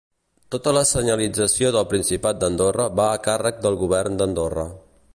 Tota la senyalització del Principat d'Andorra va a càrrec del Govern d'Andorra.